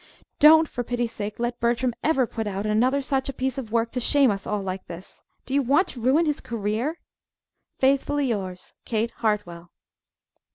Don't, for pity's sake, let Bertram ever put out another such a piece of work to shame us all like this. Do you want to ruin his career? "Faithfully yours, "KATE HARTWELL.